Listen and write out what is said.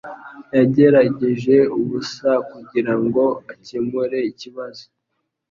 Yagerageje ubusa kugirango akemure ikibazo.